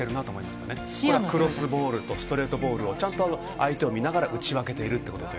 クロスボールとストレートボールをちゃんと相手を見ながら打ち分けているということで。